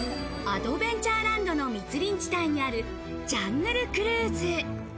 アドベンチャーランドの密林地帯にあるジャングルクルーズ。